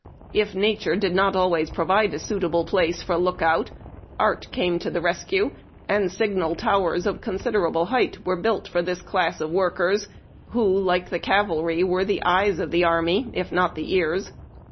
If nature did not always provide a suitable place for look out, art came to the rescue, and signal towers of considerable height were built for this class of workers, who, like the cavalry, were the "eyes"' of the army if not the ears.